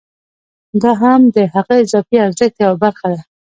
دا هم د هغه اضافي ارزښت یوه برخه ده